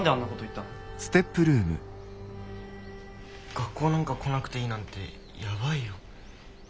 学校なんか来なくていいなんてやばいよ。